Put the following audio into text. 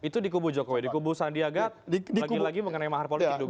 itu dikubu jokowi dikubu sandiaga lagi lagi mengenai mahar politik dugaannya